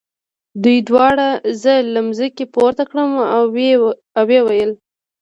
دوی دواړو زه له مځکې پورته کړم او ویې ویل.